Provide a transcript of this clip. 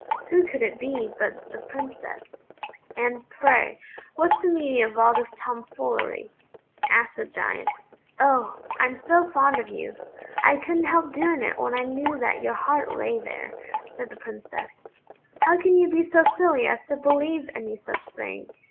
Who could it be but the Princess? "And, pray, what's the meaning of all this tomfoolery?" asked the Giant. "Oh, I'm so fond of you, I couldn't help doing it when I knew that your heart lay there," said the Princess. "How can you be so silly as to believe any such thing?"